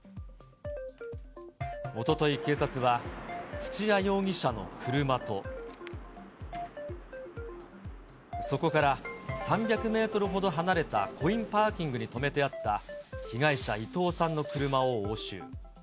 おととい、警察は土屋容疑者の車と、そこから３００メートルほど離れたコインパーキングに止めてあった被害者、伊藤さんの車を押収。